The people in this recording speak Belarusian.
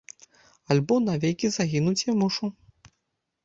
Альбо навекі загінуць я мушу!